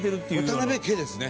渡辺家ですね。